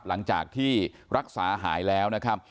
หลังจากที่รักษาหายแล้วนะครับ